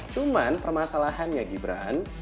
cuman permasalahannya gibran